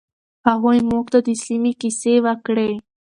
هغوی موږ ته د سیمې کیسې وکړې.